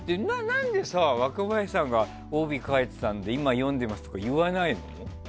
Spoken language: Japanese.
何で若林さんが帯書いてたので今読んでますとか言わないの？